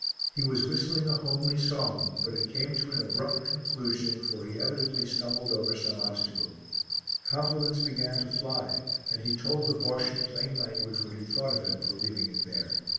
He was whistling a homely song, but it came to an abrupt conclusion, for he evidently stumbled over some obstacle. Compliments began to fly, and he told the Bosche in plain language what he thought of him for leaving it there.